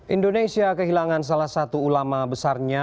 indonesia kehilangan salah satu ulama besarnya